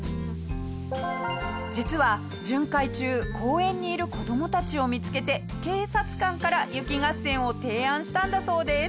実は巡回中公園にいる子どもたちを見付けて警察官から雪合戦を提案したんだそうです。